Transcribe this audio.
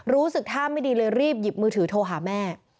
รู้สึกท่าไม่ดีเลยรีบหยิบมือถือโทรหาแม่